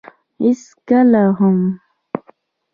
هېڅکله هم.